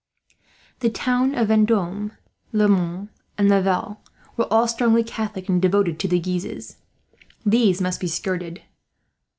The towns of Vendome, Le Mans, and Laval were all strongly Catholic, and devoted to the Guises. These must be skirted.